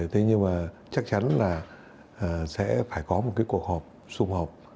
thế nhưng mà chắc chắn là sẽ phải có một cái cuộc họp xung hợp